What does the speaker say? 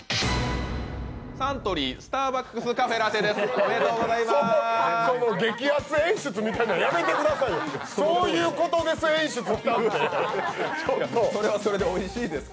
サントリースターバックスカフェラテです。